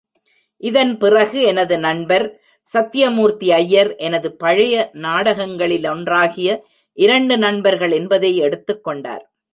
இதன் பிறகு எனது நண்பர் சத்தியமூர்த்தி ஐயர், எனது பழைய நாடகங்களிலொன்றாகிய இரண்டு நண்பர்கள் என்பதை எடுத்துக் கொண்டார்.